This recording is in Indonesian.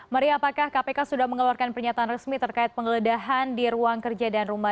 maria apakah kpk sudah mengeluarkan pernyataan resmi terkait penggeledahan di ruang kerja dan rumah